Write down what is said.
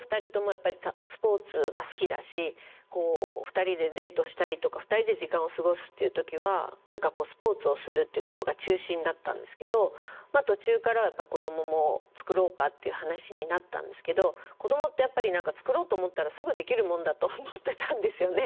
やっぱりスポーツが好きだし２人でデートしたりとか２人で時間を過ごすっていう時は何かスポーツをするっていうことが中心だったんですけど途中からは子どももつくろうかっていう話になったんですけど子どもって何かつくろうと思ったらすぐできるもんだと思ってたんですよね。